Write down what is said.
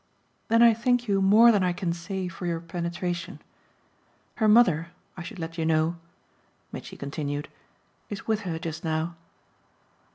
"Then I thank you more than I can say for your penetration. Her mother, I should let you know," Mitchy continued, "is with her just now."